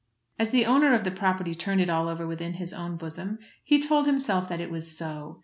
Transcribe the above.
As the owner of the property turned it all over within his own bosom, he told himself that it was so.